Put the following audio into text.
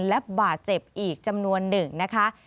และบาดเจ็บอีกจำนวน๑นะคะ